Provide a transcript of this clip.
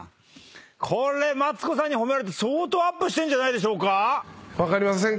これマツコさんに褒められて相当アップしてんじゃないでしょうか⁉分かりません。